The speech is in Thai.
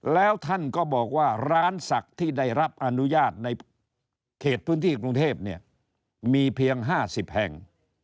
แล้วท่านก็บอกว่าร้านศักดิ์ที่ได้รับอนุญาตในเขตพื้นที่กรุงเทพเนี่ยมีเพียง๕๐แห่ง